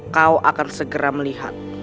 kau akan segera melihat